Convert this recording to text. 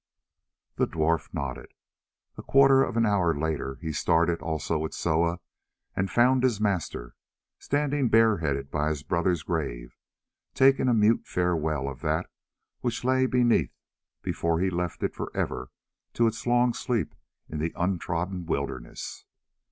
The dwarf nodded. A quarter of an hour later he started also with Soa and found his master standing bareheaded by his brother's grave, taking a mute farewell of that which lay beneath before he left it for ever to its long sleep in the untrodden wilderness.